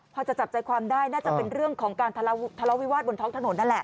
พอจะจับใจความได้น่าจะเป็นเรื่องของการทะเลาวิวาสบนท้องถนนนั่นแหละ